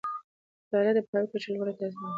مطالعه د پوهاوي کچه لوړوي او تعصب له منځه وړي.